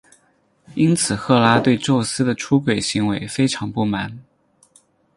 因此赫拉对宙斯的出轨行为非常不满。